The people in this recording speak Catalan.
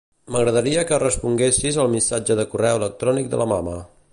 M'agradaria que responguessis al missatge de correu electrònic de la mama.